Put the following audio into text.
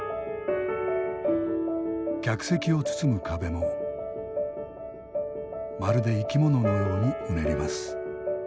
客席を包む壁もまるで生き物のようにうねります。